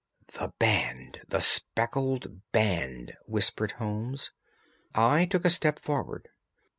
"The band! the speckled band!" whispered Holmes. I took a step forward.